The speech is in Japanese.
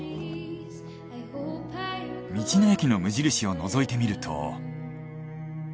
道の駅の無印をのぞいてみると。